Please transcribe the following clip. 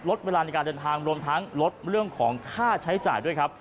เวลาในการเดินทางรวมทั้งลดเรื่องของค่าใช้จ่ายด้วยครับ